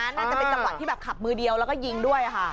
น่าจะเป็นจังหวะที่แบบขับมือเดียวแล้วก็ยิงด้วยค่ะ